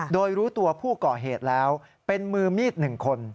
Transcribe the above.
โดยรู้ตัวผู้ก่อเหตุแล้วเป็นมือมีด๑คน